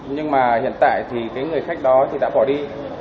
nhưng mà hiện tại thì cái người khách đó thì đã bỏ đi